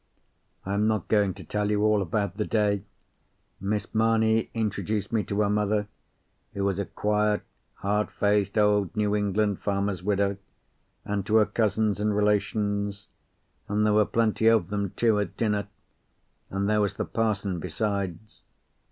I am not going to tell you all about the day. Miss Mamie introduced me to her mother, who was a quiet, hard faced old New England farmer's widow, and to her cousins and relations; and there were plenty of them, too, at dinner, and there was the parson besides.